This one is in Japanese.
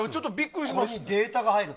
これにデータが入るって。